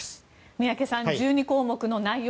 宮家さん、１２項目の内容